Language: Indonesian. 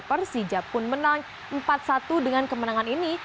persija pun menang empat satu dengan kemenangan ini